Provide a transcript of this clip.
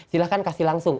silahkan kasih langsung